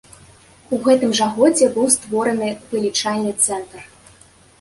У гэтым жа годзе быў створаны вылічальны цэнтр.